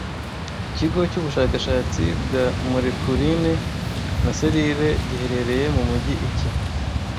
Ikigo cyubushakashatsi bwa molekuline na selile giherereye mumujyi ki